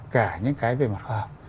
cả những cái về mặt khoa học